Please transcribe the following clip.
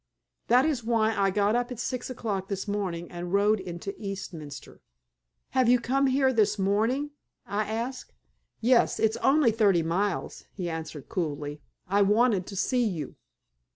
That is why I got up at six o'clock this morning and rode into Eastminster." "Have you come here this morning?" I asked. "Yes, it's only thirty miles," he answered, coolly. "I wanted to see you."